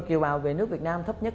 kiều bào về nước việt nam thấp nhất